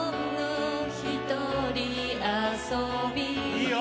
いいよ！